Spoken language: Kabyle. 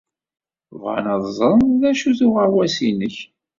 Bɣan ad ẓren d acu-t uɣawas-nnek.